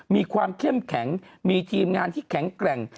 มีความเข้มแข็งมีทีมงานที่แข็งแกร่ง